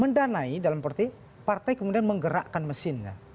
mendanai dalam arti partai kemudian menggerakkan mesinnya